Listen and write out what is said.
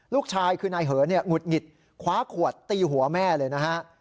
ลูกชายคือนายเหินเนี่ยหงุดหงิดคว้าขวดตีหัวแม่เลยนะฮะ